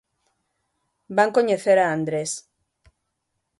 Van coñecer a Andrés.